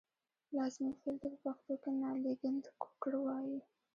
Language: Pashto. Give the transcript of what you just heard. لازمي فعل ته په پښتو کې نالېږندکړ وايي.